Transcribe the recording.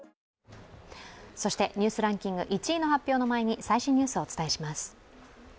「ニュースランキング」１位の発表の前に最新ニュースをお伝えします。